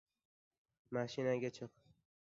— Mashinaga chiqing!!